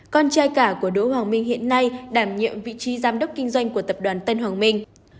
con trai cả của đỗ hoàng minh hiện nay đảm nhiệm vị trí giám đốc kinh doanh của tập đoàn tân hoàng minh